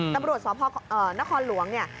นับโรชสอบพ่อนครหลวงเนี่ย